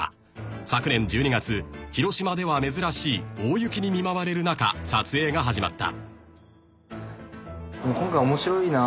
［昨年１２月広島では珍しい大雪に見舞われる中撮影が始まった］